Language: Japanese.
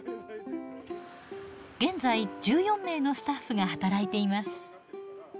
現在１４名のスタッフが働いています。